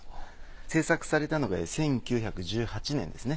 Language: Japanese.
制作されたのが１９１８年ですね。